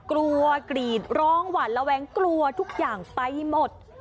กรีดร้องหวาดระแวงกลัวทุกอย่างไปหมด